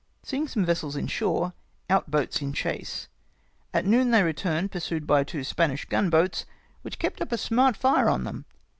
Seeing some vessels in shore, out 1)oats in chase. At noon they returned pursued hy two Spanish gun boats, which kept up a smart fire on them.